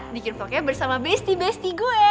dikin vlognya bersama besti besti gue